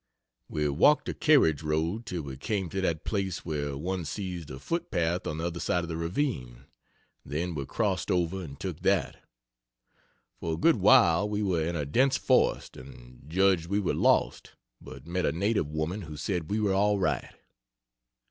We walked the carriage road till we came to that place where one sees the foot path on the other side of the ravine, then we crossed over and took that. For a good while we were in a dense forest and judged we were lost, but met a native women who said we were all right.